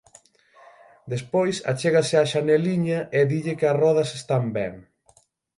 Despois, achégase á xaneliña e dille que as rodas están ben.